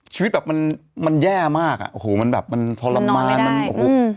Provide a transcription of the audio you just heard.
ชีวิตแบบมันมันแย่มากอ่ะโอ้โหมันแบบมันทรมานมันโอ้โห